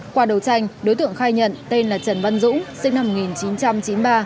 qua đầu tranh đối tượng khai nhận tên là trần văn dũng sinh năm một nghìn chín trăm chín mươi ba